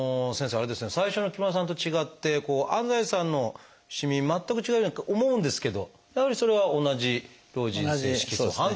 あれですね最初の木村さんと違って安西さんのしみ全く違うように思うんですけどやはりそれは同じ「老人性色素斑」という種類なんですね。